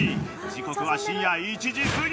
時刻は深夜１時すぎ。